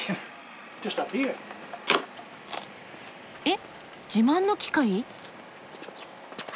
えっ自慢の機械？